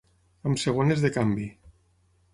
Amb segones de canvi.